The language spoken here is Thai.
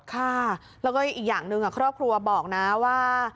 ค่ะแล้วก็อีกอย่างหนึ่งครอบครัวบอกนะว่า